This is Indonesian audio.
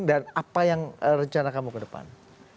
dan apa yang rencana kamu ke depan